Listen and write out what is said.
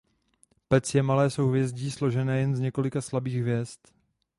Pec je malé souhvězdí složené jen z několika slabých hvězd.